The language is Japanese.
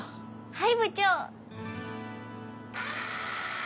はい部長！